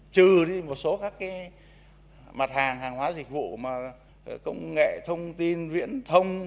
trừ đi một số các mặt hàng hàng hóa dịch vụ công nghệ thông tin viễn thông